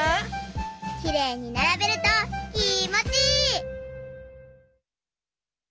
きれいにならべるときもちいい！